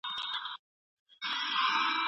ته وا، نو ژوند به څه و؟